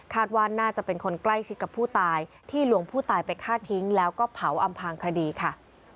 ว่าน่าจะเป็นคนใกล้ชิดกับผู้ตายที่ลวงผู้ตายไปฆ่าทิ้งแล้วก็เผาอำพางคดีค่ะ